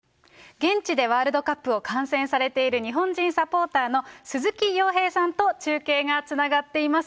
現地でワールドカップを観戦されている日本人サポーターの、鈴木洋平さんと中継がつながっています。